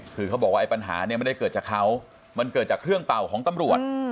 คือเขาบอกว่าไอ้ปัญหาเนี่ยไม่ได้เกิดจากเขามันเกิดจากเครื่องเป่าของตำรวจ